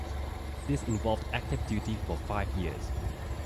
This involved active duty for five years.